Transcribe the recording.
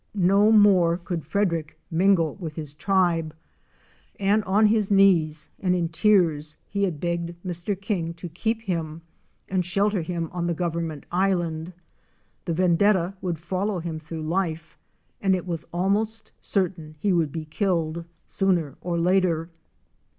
No more could Frederick mingle with his tribe, and on his knees and in tears he had begged Mr. King to keep him and shelter him on the Government Island. The vendetta would follow him through lfe and it was almost certain he would be killed sooner or later.